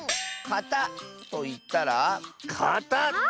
「かた」といったら。